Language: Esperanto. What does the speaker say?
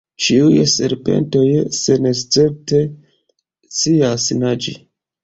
Ĉiuj serpentoj senescepte scias naĝi.